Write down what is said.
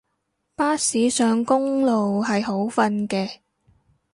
巴士上公路係好瞓嘅